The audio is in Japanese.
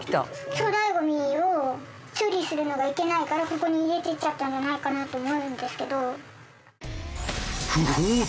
粗大ごみを処理するのがいけないからここに入れてっちゃったんじゃないかなと思うんですけど。